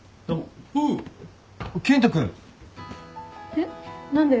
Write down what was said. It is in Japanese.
えっ？何で？